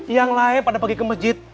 yang lain pada pergi ke masjid